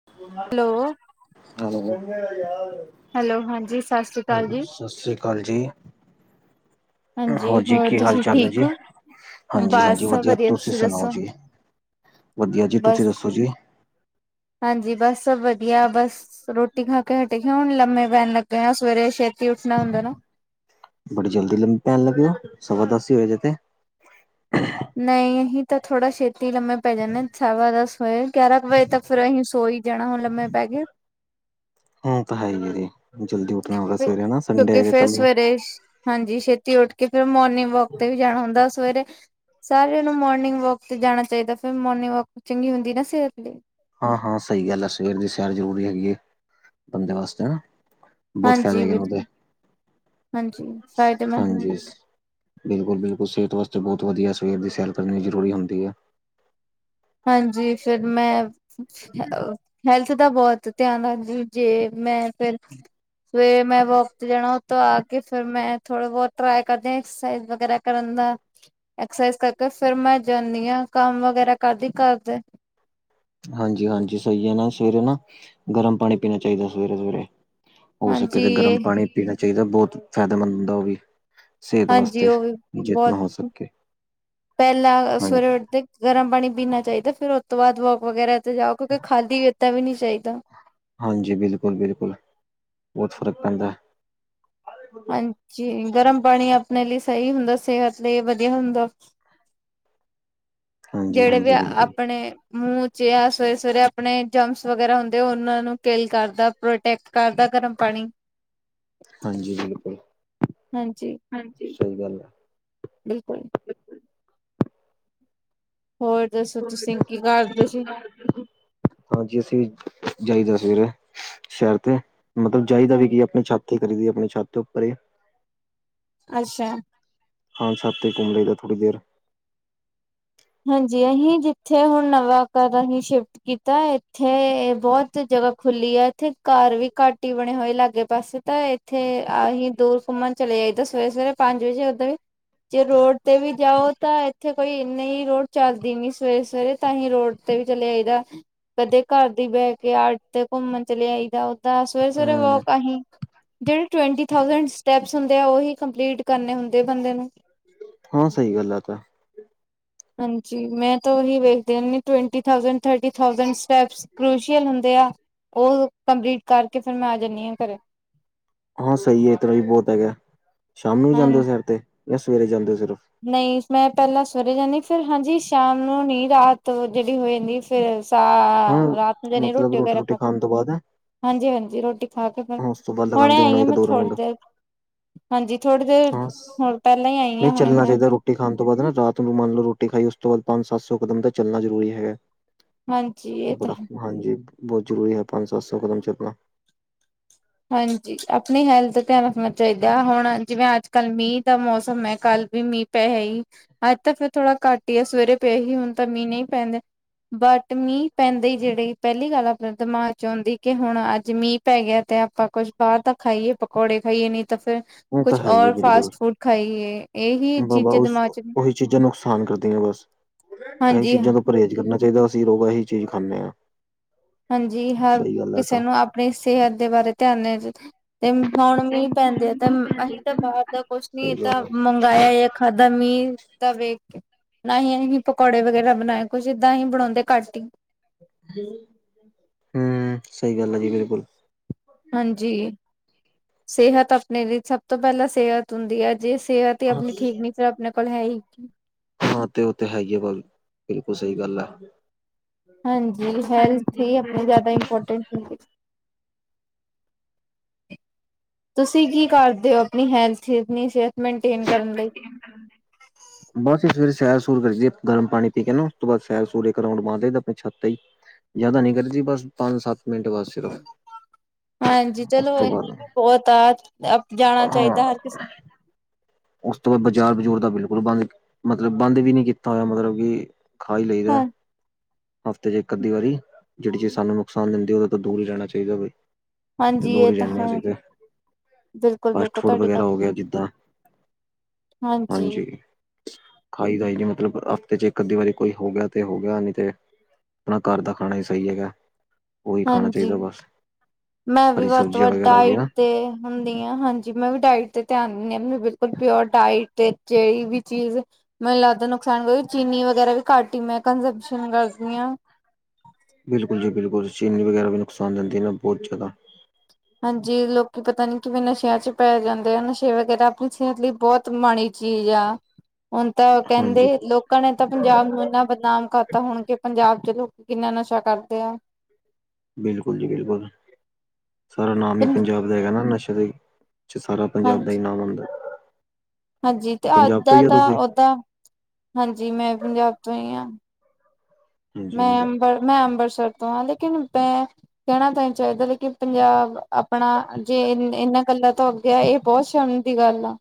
[unintelligible] Hello, hello, ਗਨੇ ਦਾ ਯਾਰ। ਹੈਲੋ, ਹਾਂਜੀ ਸਤਿ ਸ਼੍ਰੀ ਅਕਾਲ ਜੀ। ਸਤਿ ਸ਼੍ਰੀ ਅਕਾਲ ਜੀ। ਹਾਂਜੀ ਹੋਰ ਜੀ ਕੀ ਹਾਲ- ਤੁਸੀਂ ਚਾਲ ਹੈ ਠੀਕ ਜੀ। ਹੋ? ਹਾਂਜੀ- ਬਸ ਹਾਂਜੀ ਸਭ ਵਧੀਆ, ਤੁਸੀਂ ਸੁਣਾਓ ਦੱਸੋ? ਜੀ? ਵਧੀਆ ਜੀ ਤੁਸੀਂ ਬਸ ਦੱਸੋ ਜੀ ਹਾਂਜੀ ਬਸ ਵਧੀਆ ਬਸ ਰੋ ਰੋਟੀ ਖਾ ਕੇ ਹਟੇ ਆ ਹੁਣ ਲੰਮੇ ਪੈਣ ਲੱਗੇ ਆ ਸਵੇਰੇ ਸ਼ੈੱਟੀ ਉੱਠਣਾ ਹੁੰਦਾ ਬੜੀ ਜਲਦੀ ਲਮੇ ਪੈਨ ਲੱਗੇ ਹੋ ਸਵਾ ਦਸ ਹੀ ਹੋਏ ਹਜੇ ਤੇ ਨਹੀਂ ਅਹੀ ਤਾਂ ਥੋੜਾ ਛੇਤੀ ਲੰਮੇ ਪੈ ਜਾਂਦੇ ਆ ਸਵਾ ਦਸ ਵਜੇ ਗਿਆਰਾਂ ਕੁ ਵ ਤਾਂ ਫਿਰ ਅਸੀਂ ਸੋਈ ਜਾਣਾ ਹੁਣ ਲੰਮੇ ਪੈ ਗਏ ਓ ਤਾਂ ਹੈ ਹੀ ਹੈ ਜੀ ਜਲਦੀ ਉੱਠਣਾ ਹੋਗਾ ਫਿਰ ਸਵੇਰੇ ਹਨ ਨਾ ਸੰਡੇ ਕਿਉਂਕਿ ਹੈਗਾ ਫਿਰ ਕੱਲ ਨੂੰ ਸਵੇਰੇ ਹਾਂਜੀ ਛੇਤੀ ਉੱਠ ਕੇ ਫਿਰ ਮੋਰਨਿੰਗ ਵੋਕ ਤੇ ਵੀ ਜਾਣਾ ਹੁੰਦਾ ਸਵੇਰੇ ਸਾਰਿਆਂ ਨੂੰ ਮੋਰਨਿੰਗ ਵੋਕ ਤੇ ਜਾਣਾ ਚਾਹੀਦਾ ਫਿਰ ਮੋਰਨਿੰਗ ਵੋਕ ਚੰਗੀ ਹੁੰਦੀ ਨਾ ਸਿਹਤ ਲਈ ਹਾਂ ਹਾਂ ਸਹੀ ਗੱਲ ਹੈ ਸਵੇਰ ਦੀ ਸੈਰ ਜ਼ਰੂਰੀ ਹੈਗੀ ਹੈ ਬੰਦੇ ਵਾਸਤੇ ਨਾ ਬਹੁਤ ਫਾਇਦੇ ਹਾਂਜੀ ਹੈਗੇ ਨੇ ਬਿਲਕੁਲ ਓਦੇ। ਹਾਂਜੀ ਫਾਇਦੇਮੰਦ ਹੁੰਦੇ ਹਾਂਜੀ ਬਿਲਕੁਲ ਬਿਲਕੁਲ ਸਿਹਤ ਵਾਸਤੇ ਬਹੁਤ ਵਧੀਆ ਸਵੇਰ ਦੀ ਸੈਰ ਕਰਨੀ ਜ਼ਰੂਰੀ ਹੁੰਦੀ ਹੈ। ਹਾਂਜੀ ਫਿਰ ਮੈਂ ਹੈਲਥ ਦਾ ਬਹੁਤ ਧਿਆਨ ਰੱਖਦੀ ਜੇ ਮੈਂ ਫਿਰ ਸਵੇਰੇ ਮੈਂ ਵੋਕ ਤੇ ਜਾਣਾ ਉਥੋਂ ਆ ਕੇ ਫਿਰ ਮੈਂ ਥੋੜਾ ਬਹੁਤ ਟਰਾਏ ਕਰਦੇ ਐਕਸਰਸਾਈਜ਼ ਵਗੈਰਾ ਕਰਨ ਦਾ ਐਕਸਰਸਾਈਜ਼ ਕਰਕੇ ਫਿਰ ਮੈਂ ਜਾਂਦੀ ਹਾਂ ਕੰਮ ਵਗੈਰਾ ਕਰਦੀ ਘਰ ਦੇ ਹਾਂਜੀ ਹਾਂਜੀ ਸਹੀ ਹੈ ਨਾ ਸਵੇਰੇ ਨਾ ਗਰਮ ਪਾਣੀ ਪੀਣਾ ਚਾਹੀਦਾ ਸਵੇਰੇ ਸਵੇਰੇ ਹੋ ਸਕੇ ਹਾਂਜੀ ਤੇ ਗਰਮ ਇਹ ਪਾਣੀ ਪੀਣਾ ਚਾਹੀਦਾ ਬਹੁਤ ਫਾਇਦੇਮੰਦ ਹੁੰਦਾ ਉਹ ਵੀ ਸਿਹਤ ਹਾਂਜੀ ਵਾਸਤੇ ਉਹ ਵੀ ਬਹੁਤ ਜਿਤਨਾ ਹੋ ਸਕੇ ਪਹਿਲਾਂ ਹਾਂਜੀ ਸਵੇਰੇ ਤੇ ਗਰਮ ਪਾਣੀ ਪੀਣਾ ਚਾਹੀਦਾ ਫਿਰ ਉਹ ਤੋਂ ਬਾਅਦ ਵੋਕ ਵਗੈਰਾ ਤੇ ਜਾਓ ਕਿਉਂਕਿ ਖਾਲੀ [unintelligible] ਚਾਹੀਦਾ ਹਾਂਜੀ ਬਿਲਕੁਲ ਬਿਲਕੁਲ ਬਹੁਤ ਫ਼ਰਕ ਪੈਂਦਾ ਹਾਂਜੀ ਗਰਮ ਪਾਣੀ ਆਪਣੇ ਲਈ ਸਹੀ ਹੁੰਦਾ ਸਿਹਤ ਲਈ ਵਧੀਆ ਹੁੰਦਾ ਹਾਂਜੀ ਜਿਹੜੇ ਵੀ ਹਾਂਜੀ ਬਿਲਕੁਲ ਆਪਣੇ। ਮੂੰਹ ਚੇ ਆ ਸਵੇਰੇ- ਸਵੇਰੇ ਆਪਣੇ ਜੰਪਸ ਵਗੈਰਾ ਹੁੰਦੇ ਉਹਨਾਂ ਨੂੰ ਕਿੱਲ ਕਰਦਾ ਪ੍ਰੋਟੈਕਟ। ਕਰਦਾ ਗਰਮ। ਪਾਣੀ ਹਾਂਜੀ, ਬਿਲਕੁਲ ਹਾਂਜੀ ਹਾਂਜੀ ਸਹੀ ਗੱਲ ਆ। ਇਹ ਕੋਈ ਹੋਰ। ਦੱਸੋ ਤੁਸੀਂ ਕੀ ਕਰਦੇ ਸੀ [unintelligible] ਹਾਂਜੀ ਅਸੀਂ ਜਾਈਦਾ, ਸਵੇਰੇ ਸ਼ਹਿਰ ਤੇ ਮਤਲਬ ਜਾਈ ਦਾ ਹਾਂ ਵੀ ਕੀ ਆਪਣੀ ਛੱਤ। ਕੀ ਕਰੀ ਦੀ ਆਪਣੀ ਛੱਤ ਉੱਪਰ ਏ। ਅੱਛਾ। ਥਾਂ ਥਾਂ ਤੇ ਘੁੰਮੇਗਾ ਥੋੜੀ ਦੇਰ। ਹਾਂਜੀ, ਹਈ ਜਿੱਥੇ ਹੁਣ ਨਵਾਂ ਕਰ ਗੀ ਸ਼ਿਵ। ਕੀਤਾ ਇੱਥੇ ਬਹੁਤ ਜਗ੍ਹਾ ਖੁੱਲੀ ਆ, ਇੱਥੇ ਘਰ ਵੀ ਘੱਟ ਹੀ ਬਣੇ ਹੋਏ ਲਾਗੇ ਪਾਸੇ ਤਾਂ। ਇੱਥੇ ਅਸੀਂ ਦੋ ਸਮਾਂ ਚਲੇ ਸਵੇਰੇ- ਸਵੇਰੇ ਪੰਜ ਵਜੇ ਉਦਾਂ ਵੀ। ਜੇ ਰੋਡ ਤੇ ਵੀ ਜਾਓ, ਤਾਂ ਇੱਥੇ ਕੋਈ ਇੰਨੀ। ਰੋਡ ਚੱਲਦੀ ਨੀ ਸਵੇਰੇ -ਸਵੇਰੇ, ਤਾਂ ਹੀ ਰੋਡ ਤੇ ਵੀ ਚੱਲੇ ਆਈਦਾ। ਕਦੇ ਘਰ ਦੀ ਬੈਕ ਆੜ ਤੇ ਘੁੰਮਣ ਚਲੇ, ਆਈਦਾ ਓਦਾਂ ਸਵੇਰੇ -ਸਵੇਰੇ ਹਮ ਵੋਕ ਆਹੀ। ਜਿਹੜੇ ਟਵਟੀਥਡ ਥਰਟੀਥ ਸੈਟਪ ਹੰਦੇ, ਉਹੀ ਕੰਪਲੀਟ ਕਰਨੇ ਹੁੰਦੇ ਆ ਬੰਦੇ ਨੂੰ। ਹਾਂ ਸਹੀ ਗੱਲ ਤਾਂ। ਹਾਂਜੀ ਮੈਂ ਤਾਂ ਉਹੀ ਵੇਖਦੀ, ਰਹਿੰਦੀ ਟਵਟੀਥਡ ਥਰਟੀਥ ਸੇਟਪ। ਕ੍ਰੋਸ਼ੀਅਲ ਹੁੰਦੇ ਆ, ਉਹ ਕੰਪਲੀਟ ਕਰਕੇ ਫਿਰ ਮੈਂ ਆ ਜਾਂਦੀ ਹਾਂ ਘਰੇ। ਹਾਂ ਸਹੀ ਹੈ ਇਸ ਤਰ੍ਹਾਂ ਵੀ ਬਹੁਤ ਹੈਗਾ, ਸ਼ਾਮ ਨੂੰ ਵੀ ਜਾਂਦੇ ਹੋ ਹਾਂਜੀ ਸੈਰ ਤੇ ਜਾਂ ਸਵੇਰੇ ਜਾਂਦੇ ਹੋ ਸਿਰਫ। ਨਹੀਂ ਮੈਂ ਪਹਿਲਾਂ ਸਵੇਰੇ ਜਾਂਨੀ ਆਂ ਫਿਰ ਹਾਂਜੀ ਸ਼ਾਮ ਨੂੰ ਨੀ ਰਾਤ ਜੇੜੀ ਹੋਈ ਜਾਂਦੀ ਏ ਫਿਰ ਸ ਹਾਂ ਹ ਰਾਤ ਨੂੰ ਜਾਣੀ ਮਤਲਬ ਰੋਟੀ ਵਗੈਰਾ ਖਾ ਕੇ ਖਾਣ ਤੋਂ ਬਾਅਦ ਹਾਂਜੀ -ਹਾਂਜੀ ਰੋਟੀ ਖਾ ਕੇ। ਹਾਂ ਉਸ ਤੋਂ ਬਾਅਦ ਹੁਣੇ ਲਗਾਉਂਦੇ ਆਈ ਹੋਣੇ ਹਾਂ ਇੱਕ ਮੈਂ ਦੋ ਥੋੜੀ ਰਾਊਂਡ ਦੇਰ। ਹਾਂਜੀ ਥੋੜੀ ਦੇਰ ਹਾਂ ਹੁਣ ਪੈਲਾਂ ਹੀ ਆਈ ਹਾਂ, ਨਹੀਂ ਹੁਣੇ ਚੱਲਣਾ ਮੈਂ ਚਾਹੀਦਾ ਫਿਰ। ਰੋਟੀ ਖਾਣ ਤੋਂ ਬਾਅਦ ਨਾ ਰਾਤ ਨੂੰ ਵੀ ਮੰਨ ਲ ਰੋਟੀ ਖਾਈ, ਉਸ ਤੋਂ ਬਾਅਦ ਪੰਜ -ਸੱਤ ਸੌ ਕਦਮ ਤਾਂ ਚੱਲਣਾ ਜ਼ਰੂਰੀ ਹੈਗਾ। ਹਾਂਜੀ ਇਹ ਤਾਂ ਬੜਾ ਹੈ ਹਾਂਜੀ ਬੋਤ ਜ਼ਰੂਰੀ ਹੈ, ਪੰਜ -ਸੱਤ ਸੌ ਕਦਮ ਚੱਲਣਾ। ਹਾਂਜੀ, ਆਪਣੀ ਹੈਲਥ। ਧਿਆਨ ਰੱਖਣਾ ਚਾਹੀਦਾ ਹੈ, ਹੁਣ ਜਿਵੇਂ ਅੱਜ ਕੱਲ੍ਹ ਮੀਂਹ ਦਾ ਮੌਸਮ ਹੈ, ਕੱਲ ਵੀ ਮੀਂਹ ਪੈਸ ਹੀ ਅੱਜ ਤਾਂ ਫੇਰ ਥੋੜ੍ਹਾ ਘੱਟ ਹੀ ਆ, ਸਵੇਰੇ ਪਏ ਹੀ ਹੁਣ ਤਾਂ ਮੀਂਹ ਨਹੀਂ ਪੈਂਦੇ। ਬਟ ਮੀਂਹ ਪੈਂਦੇ ਜਿਹੜੇ ਪੈਲੀ ਗੱਲ, ਆਪਣਾ ਦਿਮਾਗ ਚ ਔਂਦੀ ਕਿ ਹੁਣ ਅੱਜ ਮੀਂਹ ਪੈ ਗਿਆ ਤੇ। ਆਪਾਂ ਕੁੱਛ ਬਾਹਰ ਤ ਖਾਈਏ ਪਕੌੜੇ ਖਾਈਏ ਨਹੀਂ ਤਾਂ ਫੇਰ। ਉਹ ਤਾਂ ਕੁਛ ਹੈ ਹੀ ਹੈ ਔਰ ਬਿਲਕੁਲ ਫਾਸਟ ਫੂਡ ਖਾਈਏ, ਇਹਹੀ ਚੀਜ਼ਾਂ ਦਿਮਾਗ ਚ। ਆਸਾਨ ਕਰਦੀ ਹ ਬਸ ਇਹੀ ਹਾਂਜੀ ਚੀਜ਼ਾਂ ਤੋਂ ਪਰਹੇਜ਼ ਕਰਨਾ ਚਾਹੀਦਾ, ਅਸੀਂ ਲੋਕ ਇਹੀ ਚੀਜ਼ ਖਾਂਦੇ ਹਾਂ। ਹਾਂਜੀ, ਹਰ ਕਿਸੇ ਨੂੰ ਆਪਣੀ ਸਿਹਤ ਦੇ ਬਾਰੇ ਧਿਆਨ ਦੇ। ਤੇ ਹੁਣ ਮੀਂਹ ਪੈਂਦੇ, ਆ ਤੇ ਅਸੀਂ ਤਾਂ ਬਾਰ ਦਾ ਕੁਛ ਨੀ ਸਹੀ ਦ ਗੱਲ ਹੈ ਮੰਗਵਾਈਆਂ। ਖਾਧਾ ਮੀਂਹ ਤਾਂ ਵੇਖ ਕੇ ਨਾ ਹੀ ਅਸੀਂ ਪਕੌੜੇ ਵਗੈਰਾ ਬਣਾਏ। ਕੁਛ ਇਦਾਂ ਹੀ ਬਣਾਉਦੇ ਘੱਟ ਹੀ। ਹਮ ਸਹੀ, ਗੱਲ ਆ ਜੀ ਬਿਲਕੁਲ। ਹਾਂਜੀ ਸਿਹਤ ਆਪਣੇ ਲਈ, ਸਭ ਤੋਂ ਪੈਲਾਂ ਸਿਹਤ ਹੁੰਦੀ ਹੈ ਜੇ ਸਿਹਤ। ਤੇ ਆਪਣੀ ਠੀਕ ਨੀ, ਫਿਰ ਆਪਣੇ ਕੋਲ ਹੈ ਹੀ। ਹਾਂ ਤੇ ਉਹ ਤੇ ਹੈ ਹੀ ਹੈ, ਭਾ ਵੀ ਬਿਲਕੁਲ ਸਹੀ ਗੱਲ ਹੈ। ਹਾਂਜੀ, ਹੈਲਥ ਹੀ ਆਪਣੇ ਜ਼ਿਆਦਾ ਇੰਪੋਰਟੈਂਟ ਹ। ਤੁਸੀਂ ਕੀ ਕਰਦੇ ਹੋ, ਆਪਣੀ ਹੈਲਥਣੀ ਸਿਹਤ। ਮੇਨਟੇਨ ਕਰਨ ਲਈ ਮੇਨਟੇਨ ਕਰਨ ਦੇ। ਬਸ ਸਵੇਰੇ ਸੈਰ- ਸੁਰ ਕਰੀ ਦੀਏ ਗਰਮ ਪਾਣੀ ਪੀ ਕੇ ਨਾ, ਉਸ ਤੋਂ ਬਾਅਦ ਸੈਰ -ਸੂਰ ਇੱਕ ਰੋਂਡ ਬਦੇ ਆਪ ਛੱਤ। ਤੇ ਈ ਜ਼ਿਆਦਾ ਨਹੀਂ ਕਰੀਦੀ, ਬਸ ਪੰਜ ਸੱਤ ਮਿੰਟ ਬਾਦ ਸਿਰਫ। ਹਾਂਜੀ, ਉਸ ਚਲੋ ਤੋਂ ਇਹ ਬਾਅਦ ਬੋਤ ਆ ਜਾਣਾ ਹਾਂ ਚਾਈਦਾ ਹਰ ਕਿਸੇ ਨੂੰ। ਉਸ ਤੋਂ ਬਾਦ ਬਾਜ਼ਾਰ -ਬਾਜੂਰ ਦਾ ਬਿਲਕੁਲ ਬੰਦ ਮਤਲਬ ਬੰਦ ਵੀ ਨੀ ਕੀਤਾ ਹੋਇਆ ਮਤਲਬ ਕਿ। ਖਾ ਈ ਲਈਦਾ ਹਾਂ ਹਫ਼ਤੇ ਚ ਇੱਕ ਅਧੀ ਵਾਰੀ ਜਿਹੜੀ ਚੀਜ਼ ਸਾਨੂੰ ਨੁਕਸਾਨ ਦਿੰਦੀ ਉਹਦੇ ਤੋ ਦੂਰ ਹੀ ਰੈਣਾ ਚਾਈਦਾ ਹਾਂਜੀ ਦੂਰ ਇਹ ਹੀ ਤਾਂ ਰੈਣਾ ਹੈ ਚਾਈਦੈ ਬਿਲਕੁਲ ਫਾਸਟ ਬਿਲਕੁਲ ਫੂਡ ਤੁਹਾਡੀ ਗੱਲ ਵਗੈਰਾ ਹੋ ਗਿਆ ਜਿੱਦਾਂ ਹਾਂਜੀ ਖਾਈ ਦਾ ਈ ਨੀ ਮਤਲਬ ਹਫ਼ਤੇ ਚ ਇੱਕ ਅੱਧੀ ਵਾਰੀ ਕੋਈ ਹੋ ਗਿਆ ਤੇ ਹੋ ਗਿਆ ਨੀ ਤੇ ਆਪਣਾ ਘਰ ਦਾ ਖਾਣਾ ਈ ਸਈ ਹੈਗਾ ਉਹੀ ਖਾਣਾ ਹਾਂਜੀ ਚਾਹੀਦਾ ਬਸ ਮੈਂ ਵੀ ਹਰੀ ਵੱਧ ਤੋਂ ਸਬਜ਼ੀਆਂ ਵੱਧ ਵਗੈਰਾ ਹੋ ਡਾਈਟ ਗਈਆਂ ਤੇ ਹੁੰਦੀ ਆ ਹਾਂਜੀ ਮੈਂ ਵੀ ਡਾਇਟ ਤੇ ਧੇਆਨ ਦਿੰਨੀ ਆ ਮੈਨੂੰ ਬਿਲਕੁਲ ਪਿਓਰ ਡਾਇਟ ਤੇ ਜਿਹੜੀ ਵੀ ਚੀਜ਼ ਮੈਨੂੰ ਲੱਗਦਾ ਨੁਕਸਾਨ ਕਰ ਚੀਨੀ ਵਗੈਰਾ ਵੀ ਘਟ ਈ ਮੈਂ ਕੰਜਪਸ਼ਨ ਕਰਦੀ ਆ ਬਿਲਕੁਲ ਜੀ ਬਿਲਕੁਲ ਚੀਨੀ ਵਗੈਰਾ ਵੀ ਨੁਕਸਾਨ ਦਿੰਦੇ ਨਾ ਬਹੁਤ ਜਾੱਦਾ ਹਾਂਜੀ ਲੋਕੀ ਪਤਾ ਨੀ ਕਿਵੇਂ ਨਸ਼ਿਆਂ ਚ ਪੈ ਜਾਂਦੇ ਆ ਨਸ਼ੇ ਵਗੈਰਾ ਆਪਣੀ ਸਿਹਤ ਲਈ ਬੋਤ ਮਾੜੀ ਚੀਜ਼ ਆ ਹੁਣ ਤਾਂ ਕਹਿੰਦੇ ਹਾਂਜੀ ਲੋਕ ਲੋਕਾਂ ਨੇ ਤਾਂ ਪੰਜਾਬ ਨੂੰ ਇੰਨਾ ਬਦਨਾਮ ਕਰਤਾ ਹੁਣ ਕਿ ਪੰਜਾਬ ਚ ਲੋਕ ਕਿੰਨਾ ਨਸ਼ਾ ਕਰਦੇ ਆ। ਬਿਲਕੁਲ ਜੀ ਬਿਲਕੁਲ ਸਾਰਾ ਨਾਮ ਈ ਪੰਜਾਬ ਦਾ ਹੈਗਾ ਨਾ ਨਸ਼ੇ ਦੇ ਚ ਸਾਰਾ ਹਾਂ ਪੰਜਾਬ ਦਾ ਈ ਨਾਮ ਆਉਦਾ ਹਾਂਜੀ ਤੇ ਤਾਦਾਂ ਤਾਂ ਓਦਾਂ ਹਾਂਜੀ ਮੈਂ ਪੰਜਾਬ ਤੋਂ ਈ ਆ ਹਾਂਜੀ ਮੈਂ ਹਾਂਜੀ ਅੰਬਰ ਮੈਂ ਅੰਬਰਸਰ ਤੋਂ ਆਂ ਲੇਕਿਨ ਮੈਂ ਕਹਿਣਾ ਤਾਂ ਨੀ ਚਾਈਦਾ ਲੇਕਿਨ ਪੰਜਾਬ ਆਪਣਾ ਜੇ ਇਹਨਾਂ ਗਲਾ ਤੋਂ ਅੱਗੇ ਆ ਇਹ ਬੋਤ ਸੋਣੀ ਦੀ ਗੱਲ ਆ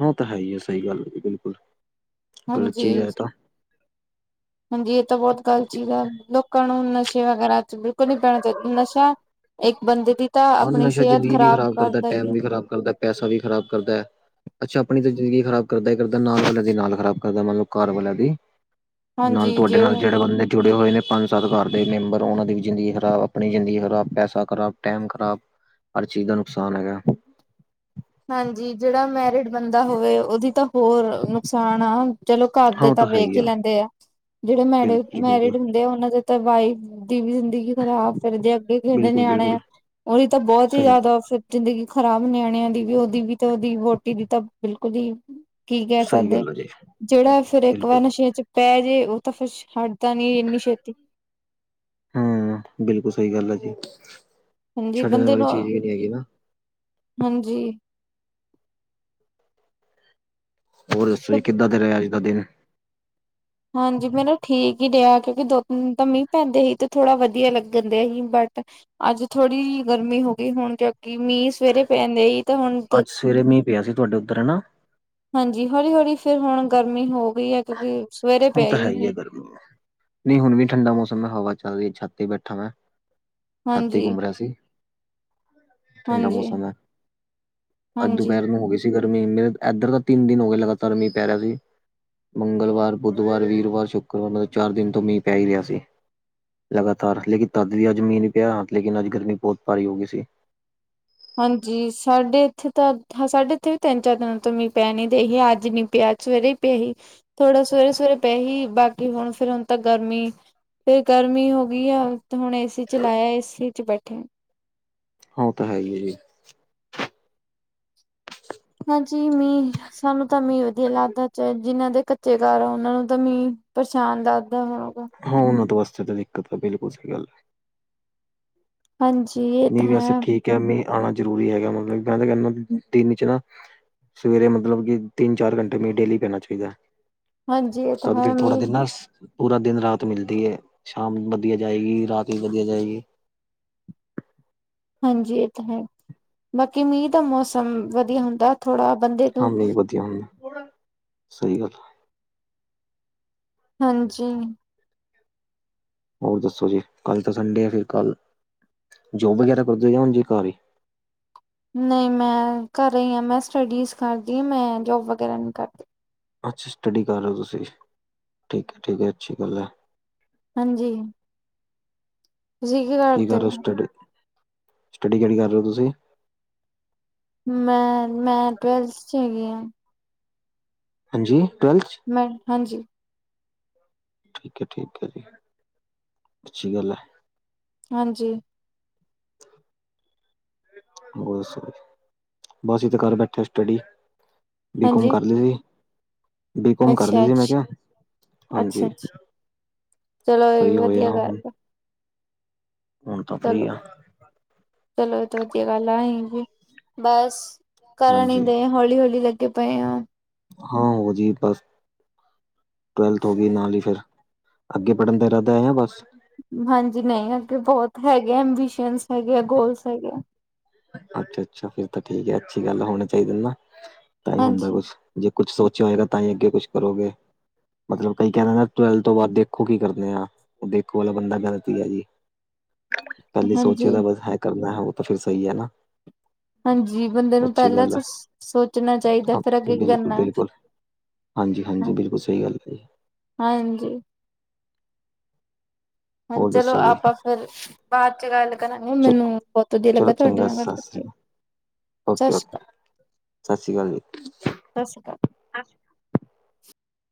ਓ ਤਾਂ ਹੈ ਹੀ ਹੈ, ਸਹੀ ਗੱਲ ਹੈ ਜੀ ਬਿਲਕੁਲ। ਗਲਤ ਹਾਂਜੀ। ਚੀਜ਼ ਹੈ ਇਹ ਤਾਂ ਹਾਂਜੀ ਇਹ ਤਾਂ ਬੋਹਤ ਗੱਲਤ ਚੀਜ਼ ਆ, ਲੋਕਾਂ ਨੂੰ ਨਸ਼ੇ ਵਗੈਰਾ ਚ ਬਿਲਕੁਲ ਨੀ ਪੈਣਾ ਚਾਹੀਦਾ, ਨਸ਼ਾ ਇੱਕ ਬੰਦੇ ਦੀ ਤਾਂ ਆਪਣੀ ਸਿਹਤ ਖ਼ਰਾਬ ਕਰਦਾ ਈ ਆ ਖਰਾਬ ਕਰਦਾ ਪੈਸਾ ਵੀ ਖ਼ਰਾਬ ਕਰਦਾ ਐ। ਅੱਛਾ ਆਪਣੀ ਤਾਂ ਜ਼ਿੰਦਗੀ ਖ਼ਰਾਬ ਕਰਦਾ ਈ ਕਰਦਾ ਨਾਲ ਵਾਲਿਆਂ ਦੀ ਨਾਲ ਖ਼ਰਾਬ ਕਰਦਾ ਮਤਲਬ ਘਰ ਵਾਲਿਆਂ ਦੀ। ਨਾਲ ਹਾਂਜੀ ਤੁਹਾਡੇ ਨਾਲ ਜਿਹੜਾ ਜਿਹੜੇ ਬੰਦੇ ਜੁੜੇ ਹੋਏ ਨੇ ਪੰਜ- ਸੱਤ ਘਰ ਦੇ ਮੈਂਬਰ ਉਹਨਾਂ ਦੀ ਵੀ ਜ਼ਿੰਦਗੀ ਖਰਾਬ, ਆਪਣੀ ਜ਼ਿੰਦਗੀ ਖਰਾਬ, ਪੈਸਾ ਖਰਾਬ, ਟਾਈਮ ਖਰਾਬ, ਹਰ ਚੀਜ਼ ਦਾ ਨੁਕਸਾਨ ਹੈਗਾ। ਹਾਂਜੀ ਜਿਹੜਾ ਮੈਰਿਡ ਬੰਦਾ ਹੋਵੇ, ਉਹਦੀ ਤਾਂ ਹੋਰ ਨੁਕਸਾਨ ਆ। ਚਲੋ ਘਾਰ ਹਾਂ ਦੇ ਉਹ ਤਾਂ ਹੈ ਵੇਖ ਹੀ ਈ ਲੈਂਦੇ ਆ, ਜਿਹੜੇ ਮੈ ਬਿਲਕੁਲ ਜੀ ਬਿਲਕੁਲ ਮੈਰਿਡ ਹੁੰਦੇ ਆ ਉਹਨਾਂ ਦੇ ਤੇ ਵਾਈਫ ਦੀ ਵੀ ਖਰਾਬ ਫੇਰ ਜੇ ਅੱਗੇ ਕਹਿੰਦੇ ਬਿਲਕੁਲ ਨਿਆਣੇ ਬਿਲਕੁਲ ਆ ਉਹਦੀ ਤਾਂ ਬੋਹਤ ਹੀ ਸਹੀ ਜ਼ਾਦਾ ਫ ਜ਼ਿੰਦਗੀ ਖ਼ਰਾਬ ਨਿਆਣਿਆਂ ਦੀ ਵੀ, ਉਹਦੀ ਵੀ, ਤਾਂ ਉਹਦੀ ਵੋਹਟੀ ਦੀ ਤਾਂ ਬਿਲਕੁਲ ਹੀ ਕੀ ਕਹਿ ਸਹੀ ਸਕਦੇ ਗੱਲ ਹੈ ਜਿਹੜਾ, ਜੀ ਜਿਹੜਾ ਫੇਰ ਇੱਕ ਵਾਰ ਬਿਲਕੁਲ ਨਸ਼ੇ ਚ ਪੈ ਜੇ ਉਹ ਤਾਂ ਫੇਰ ਸ਼ਾਡ ਤਾ ਨੀ ਐਨੀ ਸ਼ੇਤੀ। ਹੂੰ ਬਿਲਕੁਲ ਸਈ ਗੱਲ ਹੈਗੀ, ਹਾਂਜੀ ਛੱਡਣ ਬੰਦੇ ਵਾਲੀ ਨੂੰ ਚੀਜ਼ ਈ ਨੀਂ ਹੈਗੀ ਨਾ। ਹਾਂਜੀ। ਹੋਰ ਦੱਸੋ ਜੀ ਕਿੱਦਾਂ ਦਾ ਰਿਆ ਅੱਜ ਦਾ ਦਿਨ? ਹਾਂਜੀ ਮੈਨੂੰ ਠੀਕ ਈ ਰਿਆ ਕਿਉਂਕਿ ਦੋ- ਤਿੰਨ ਤਾਂ ਮੀਂਹ ਪੈਂਦੇ ਸੀ ਤੇ ਥੋੜਾ ਵਧੀਆ ਲੱਗਣ ਡੀਆ ਸੀ ਬਟ ਅੱਜ ਥੋੜੀ ਗਰਮੀ ਹੋ ਗਈ ਹੁਣ ਕਿਉਂਕਿ ਮੀਂਹ ਸਵੇਰੇ ਪੈਂਦੇਈ ਤਾਂ ਹੁਣ ਅੱਜ ਸਵੇਰੇ ਮੀਂਹ ਪਿਆ ਸੀ ਤੁਹਾਡੇ ਉੱਧਰ ਹੈ ਨਾ। ਹਾਂਜੀ ਹੌਲੀ- ਹੌਲੀ ਫੇਰ ਹੁਣ ਗਰਮੀ ਹੋ ਗਈ ਹੈ ਕਿਉਂਕਿ ਸਵੇਰੇ ਹੁਣ ਪਿਆ ਤਾਂ ਹੈ ਈ ਹੀ ਹੈ ਮੀਹ। ਗਰਮੀ। ਨਹੀਂ ਹੁਣ ਵੀ ਠੰਡਾ ਮੌਸਮ ਹੈ, ਹਵਾ ਚੱਲ ਰਹੀ ਛੱਤ ਤੇ ਹੀ ਬੈਠਾ ਮੈਂ। ਛਾੱਤ ਤੇ ਹਾਂਜੀ। ਘੁਮੱ ਰੀਆ ਸੀ। ਠੰਡਾ ਹਾਂਜੀ, ਮੌਸਮ ਏ, ਅੱਜ ਹਾਂਜੀ। ਦੁਪਹਿਰ ਮ ਹੋ ਗਈ ਸੀ। ਗਰਮੀ ਮੇਰੇ ਇੱਧਰ ਤਾਂ ਤਿੰਨ ਦਿਨ ਹੋ ਗਏ ਲਗਾਤਾਰ ਮੀਂਹ ਪੈ ਰਿਹਾ ਸੀ। ਮੰਗਲਵਾਰ, ਬੁੱਧਵਾਰ, ਵੀਰਵਾਰ, ਸ਼ੁੱਕਰਵਾਰ ਮਤਲਬ ਚਾਰ ਦਿਨ ਤੋਂ ਮੀਂਹ ਪੈ ਹੀ ਰਿਆ ਸੀ। ਲਗਾਤਾਰ ਲੇਕਿਨ ਤਦ ਵੀ ਅੱਜ ਮਂੀਹ ਨੀਂ ਪਿਆ ਲੇਕਿਨ ਅੱਜ ਗਰਮੀ ਬੋਹਤ ਪਾਰੀ ਹੋ ਗਈ ਸੀ। ਹਾਂਜੀ ਸਾਡੇ ਇੱਥੇ ਤਾਂ ਸਾਡੇ ਇੱਥੇ ਵੀ ਤਿੰਨ- ਚਾਰ ਦਿਨਾਂ ਤੋਂ ਮੀ ਪਿਆ ਨ ਦੇ ਹੀ ਅੱਜ ਮੀਂਹ ਪਿਆ ਸਵੇਰੇ ਪਏ ਹੀ, ਥੋੜਾ ਸਵੇਰੇ- ਸਵੇਰੇ ਪਏ ਹੀ ਬਾਕੀ ਹੁਣ ਫੇਰ ਹੁਣ ਤਾ ਗਰਮੀ ਫੇਰ ਗਰਮੀ ਹੋ ਗਈ ਆ ਤੇ ਹੁਣ ਏ ਸੀ ਚਲਾਇਆ ਏ ਸੀ ਚ ਬੈਠੇ ਆ। ਓ ਤਾਂ ਹੈ ਹੀ ਐ ਜੀ। ਹਾਂਜੀ ਮੀਂਹ, ਸਾਨੂੰ ਤਾਂ ਮੀਂਹ ਵਧੀਆ ਲੱਗਦਾ ਜਿਹਨਾਂ ਦੇ ਕੱਚੇ ਘਰ ਆ ਉਹਨਾਂ ਨੂੰ ਮੀਂਹ ਪਰੇਸ਼ਾਨ ਲੱਗਦਾ ਹੋਊਗਾ। ਹਾਂ ਉਹਨਾਂ ਤੋਂ ਵਾਸਤੇ ਤਾਂ ਦਿੱਕਤ ਆ ਬਿਲਕੁਲ ਸਹੀ ਗੱਲ ਏ। ਹਾਂਜੀ। ਇਹ ਤਾਂ ਮੀਂਹ ਵੈਸੇ ਹੈ, ਠੀਕ ਆ, ਮੀਂਹ ਆਣਾ ਜ਼ਰੂਰੀ ਹੈਗਾ ਮਤਲਬ ਮੈਂ ਤਾਂ ਕਹਿੰਦਾ ਦਿਨ ਚ ਨਾ ਸਵੇਰੇ ਮਤਲਬ ਕਿ ਤਿੰਨ- ਚਾਰ ਘੰਟੇ ਮੀਂਹ ਡੇਲੀ ਪੈਣਾ ਚਾਹੀਦਾ। ਹਾਂਜੀ ਇਹ ਤਾਂ ਤਦ ਹੈ ਫੇਰ ਥੋੜਾ ਮੀਂਹ ਦਿਨ ਬਸ ਪੂਰਾ ਦਿਨ ਰਾਤ ਮਿਲਦੀ ਏ, ਸ਼ਾਮ ਵਧੀਆ ਜਾਏਗੀ, ਰਾਤ ਵੀ ਵਧੀਆ ਜਾਏਗੀ। ਹਾਂਜੀ ਇਹ ਤਾਂ ਹੈ, ਬਾਕੀ ਮੀਂਹ ਦਾ ਮੌਸਮ ਵਧੀਆ ਹੁੰਦਾ ਥੋੜਾ ਬੰਦੇ ਤੋਂ ਹਾਂ ਨਹੀਂ ਵਧੀਆ ਸਹੀ ਗੱਲ ਆ। ਹਾਂਜੀ। ਹੋਰ ਦੱਸੋ ਜੀ, ਕੱਲ ਤਾਂ ਸੰਡੇ ਆ ਫਿਰ ਕੱਲ ਜੋਬ ਵਗੈਰਾ ਕਰਦੇ ਔ, ਜਾਂ ਉਂਜ ਈ ਘਾਰ ਹੀ? ਨਹੀਂ ਮੈਂ ਘਰੇ ਆ, ਮੈਂ ਸਟੱਡੀਜ਼ ਕਰਦੀ ਆ, ਮੈਂ ਜੋਬ ਵਗੈਰਾ ਨਹੀਂ ਕਰਦੀ। ਅੱਛਾ ਸਟੱਡੀ ਕਰ ਰਹੇ ਹੋ ਤੁਸੀਂ, ਠੀਕ ਐ ਠੀਕ ਐ ਅੱਛੀ ਗੱਲ ਐ। ਹਾਂਜੀ। ਕੀ ਕਰ ਰਹੇ ਹੋ ਸਟੱਡੀ, ਸਟੱਡੀ ਕਿਹੜੀ ਕਰ ਰਹੇ ਹੋ ਤੁਸੀਂ? ਮੈਂ ਮੈਂ ਟਵੈਲਥ ਚ ਹੈਗੀ ਆ। ਹਾਂਜੀ ਟਵੈਲਥ ਚ? ਮੈਂ ਹਾਂਜੀ। ਠੀਕ ਐ ਠੀਕ ਐ ਜੀ, ਅੱਛੀ ਗੱਲ ਐ। ਹਾਂਜੀ। [unintelligible] ਹੋਰ ਦੱਸੋ, ਬਸ ਅਸੀਂ ਤੇ ਕਰ ਬੈਠੇ ਸਟੱਡੀ। ਬੀ ਕੋਮ ਹਾਂਜੀ ਕਰ ਲਈ ਐ ਬੀ ਕੋਮ ਕਰ ਅੱਛਾ ਲਈ ਐ, ਮੈਂ ਅੱਛਾ ਕਿਹਾ, ਅੱਛਾ ਹਾਂਜੀ। ਅੱਛਾ ਚਲੋ ਇਹ ਵੀ ਫਰੀ ਹੋਇਆ ਵਧੀਆ ਗੱਲ ਹੁਣ ਐ। ਹੁਣ ਤਾਂ ਫਰੀ ਚਲੋ ਆ ਚਲੋ ਏ ਤਾਂ ਵਧੀਆ ਗੱਲ ਐ, ਐਂਜ ਵੀ ਬਸ। ਕਰਨ ਹੀ ਹਾਂਜੀ ਡਏ ਆਂ, ਹੌਲੀ ਹੌਲੀ ਲੱਗੇ ਪਏ ਆਂ। ਹਾਂ ਓ ਜੀ ਬਸ। ਟਵੈਲਥ ਹੋ ਗਈ ਨਾਲ ਹੀ ਫਿਰ, ਅੱਗੇ ਪੜ੍ਹਨ ਦਾ ਇਰਾਦਾ ਐ ਜਾਂ ਬਸ? ਹਾਂਜੀ ਨਹੀਂ ਅੱਗੇ ਬਹੁਤ ਹੈਗੇ ਐ, ਐੰਬੀਸ਼ਨ ਹੈਗੇ ਐ, ਗੋਲਸ ਹੈਗੇ ਆ। ਅੱਛਾ ਅੱਛਾ ਫਿਰ ਤਾਂ ਠੀਕ ਐ, ਅੱਛੀ ਗੱਲ ਏ, ਹੋਣੇ ਚਾਹੀਦੇ ਨੇ ਨਾ, ਤਾਂ ਹੀ ਹੁੰਦਾ ਹਾਂਜੀ ਕੁਛ। ਜੇ ਕੁੱਛ ਸੋਚਿਆ ਹੋਏਗਾ ਤਾਂ ਹੀ ਅੱਗੇ ਕੁਛ ਕਰੋਗੇ, ਮਤਲਬ ਕਈ ਕਹਿਣਾ ਨਾ ਟਵੈਲਥ ਉਸ ਤੋਂ ਬਾਅਦ ਦੇਖੋ ਕੀ ਕਰਦੇ ਆ, ਦੇਖੋ ਵਾਲਾ ਬੰਦਾ ਗ਼ਲਤ ਈ ਐ ਜੀ। ਪਹਿਲੇ ਹਾਂਜੀ, ਸੋਚਿਆ ਤਾਂ ਬਸ ਹੈ ਕਰਨਾ ਹੈ ਉਹ ਤਾਂ ਫਿਰ ਸਹੀ ਹੈ ਨਾ। ਹਾਂਜੀ ਬੰਦੇ ਨੂੰ ਅੱਛੀ ਪਹਿਲਾਂ ਗੱਲ ਹੈ ਤਾਂ ਸੋਚਣਾ ਚਾਹੀਦਾ, ਹਾਂ, ਫੇਰ ਅੱਗੇ ਕੀ ਬਿਲਕੁਲ ਕਰਨਾ ਐ ਬਿਲਕੁਲ ਹਾਂਜੀ ਹਾਂਜੀ ਬਿਲਕੁਲ ਸਹੀ ਗੱਲ ਕਹੀ। ਹਾਂਜੀ। ਹਾਂ ਹੋਰ ਚਲੋ ਦੱਸੋ ਜੀ ਆਪਾਂ ਫੇਰ ਬਾਅਦ ਚ ਗੱਲ ਕਰਾਂਗੇ, ਮੈਨੂੰ ਚਲੋ ਬਹੁਤ ਵਧੀਆ ਚਲੋ ਲੱਗਾ ਤੁਹਾਡੇ ਚੰਗਾ ਨਾਲ ਗੱਲ ਸਤਿ ਸ੍ਰੀ ਕਰਕੇ। ਸਤਿ ਓਕੇ ਸ਼੍ਰੀ ਓਕੇ ਅਕਾਲ, ਸਤਿ ਸ੍ਰੀ ਅਕਾਲ ਜੀ। ਸਤਿ ਸ੍ਰੀ ਅਕਾਲ।